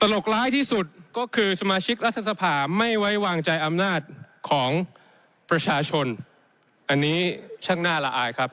ตลกร้ายที่สุดก็คือสมาชิกรัฐสภาไม่ไว้วางใจอำนาจของประชาชนอันนี้ช่างหน้าละอายครับ